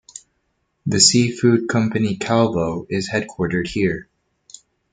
The seafood company Calvo is headquartered here.